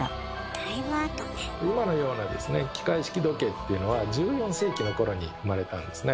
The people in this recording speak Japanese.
今のような機械式時計っていうのは１４世紀の頃に生まれたんですね。